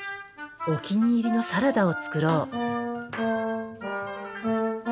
お気に入りのサラダを作ろう。